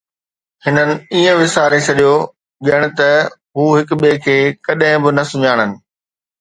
هنن ائين وساري ڇڏيو ڄڻ ته هو هڪ ٻئي کي ڪڏهن به نه سڃاڻن